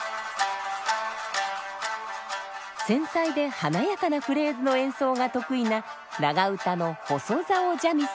繊細で華やかなフレーズの演奏が得意な長唄の細棹三味線。